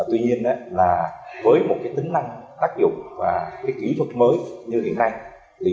tuy nhiên với một tính năng tác dụng và kỹ thuật mới như hiện nay